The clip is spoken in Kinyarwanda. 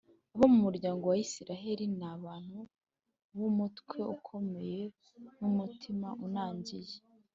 abo mu muryango wa Israheli ni abantu b’umutwe ukomeye n’umutima unangiye